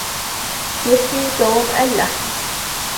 يشوي توم اللحم.